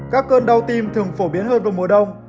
các cơn đau tim thường phổ biến hơn vào mùa đông